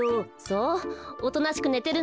おとなしくねてるのよ。